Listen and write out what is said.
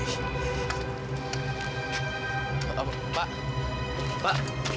pak pak pak